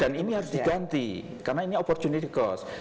dan ini harus diganti karena ini opportunity cost